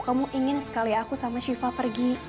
kamu ingin sekali aku sama shiva pergi